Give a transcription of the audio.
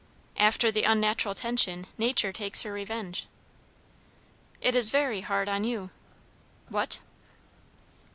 "After the unnatural tension, Nature takes her revenge." "It is very hard on you!" "What?"